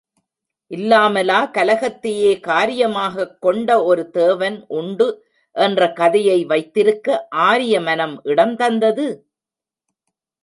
இல்லாமலா கலகத்தையே காரியமாகக் கொண்ட ஒரு தேவன் உண்டு என்ற கதையை வைத்திருக்க ஆரிய மனம் இடம் தந்தது?